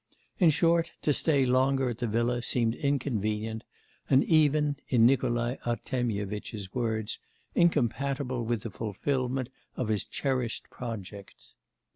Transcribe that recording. In short, to stay longer at the villa seemed inconvenient, and even, in Nikolai Artemyevitch's words, incompatible with the fulfilment of his 'cherished projects.